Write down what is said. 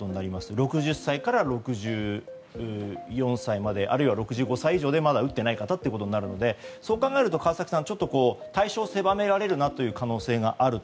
６０歳から６４歳まであるいは６５歳以上で打ってない方がまだいるということになるので川崎さん対象狭められるなという可能性があると。